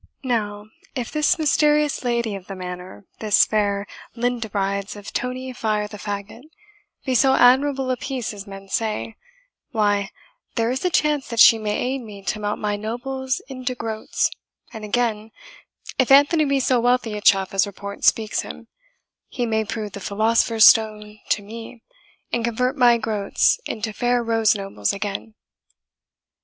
Now, if this mysterious Lady of the Manor this fair Lindabrides of Tony Fire the Fagot be so admirable a piece as men say, why, there is a chance that she may aid me to melt my nobles into greats; and, again, if Anthony be so wealthy a chuff as report speaks him, he may prove the philosopher's stone to me, and convert my greats into fair rose nobles again."